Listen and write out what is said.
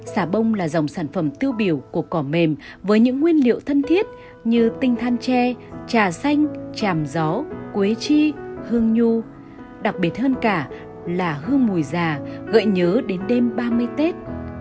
xà bông là dòng sản phẩm tiêu biểu của cỏ mềm với những nguyên liệu thân thiết như tinh than tre trà xanh chàm gió quế chi hương nhu đặc biệt hơn cả là hương mùi già gợi nhớ đến đêm ba mươi tết